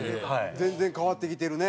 全然変わってきてるね。